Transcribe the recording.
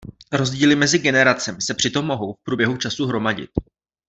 Rozdíly mezi generacemi se přitom mohou v průběhu času hromadit.